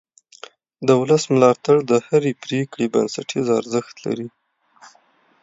د ولس ملاتړ د هرې پرېکړې بنسټیز ارزښت لري